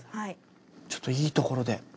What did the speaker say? ちょっといいところで。